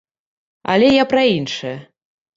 Але я пра іншае.